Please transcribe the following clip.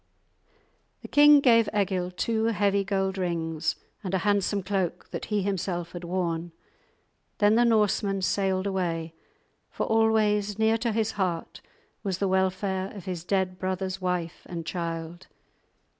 The king gave Egil two heavy gold rings and a handsome cloak that he himself had worn; then the Norseman sailed away, for always near to his heart was the welfare of his dead brother's wife and child.